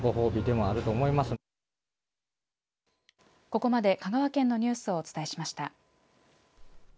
ここまで香川県のニュースをお伝えしました。